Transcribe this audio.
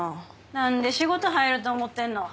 何で仕事入ると思ってんの？